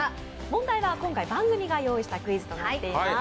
問題は今回番組が用意したものとなっています。